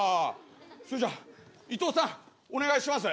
それじゃあ伊藤さんお願いします。